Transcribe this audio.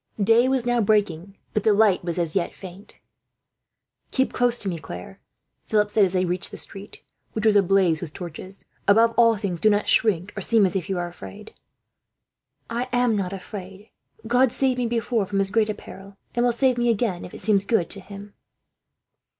Day was now breaking, but the light was as yet faint. "Keep close to me, Claire," Philip said as they reached the street, which was ablaze with torches. "Above all things do not shrink, or seem as if you were afraid." "I am not afraid," she said. "God saved me before from as great a peril, and will save me again, if it seems good to Him."